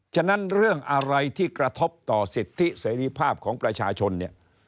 ฉะนั้นเรื่องอะไรที่กระทบต่อสิทธิเสรีภาพของประชาชนเนี่ย